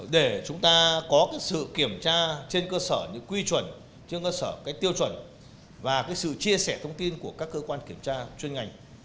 để chúng ta có sự kiểm tra trên cơ sở những quy chuẩn trên cơ sở tiêu chuẩn và sự chia sẻ thông tin của các cơ quan kiểm tra chuyên ngành